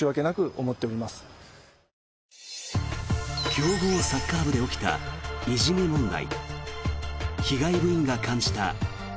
強豪サッカー部で起きたいじめ問題。